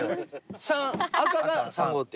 ３赤が３号艇。